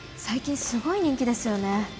最近すごい人気ですよね